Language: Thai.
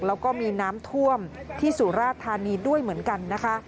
แล้วก็มีน้ำท่วมที่สุราธานีด้วยเหมือนกันนะคะ